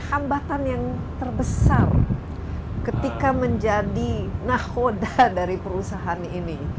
hambatan yang terbesar ketika menjadi nahoda dari perusahaan ini